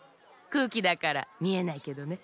くうきだからみえないけどね。